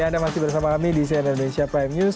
ya anda masih bersama kami di cnn indonesia prime news